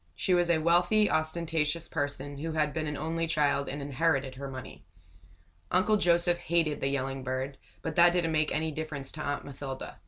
She was a wealthy, ostentatious person, who had been an only child and inherited her money. Uncle Joseph hated the yelling bird, but that didn't make any difference to Aunt Mathilda.